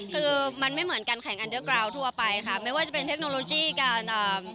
คือมันไม่เหมือนการแข่งอันเดอร์กราวทั่วไปค่ะไม่ว่าจะเป็นเทคโนโลยีการอ่า